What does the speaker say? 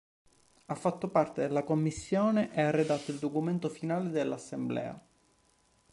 Ha fatto parte della commissione che ha redatto il documento finale dell'assemblea.